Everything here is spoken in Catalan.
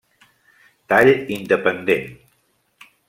Tall independent.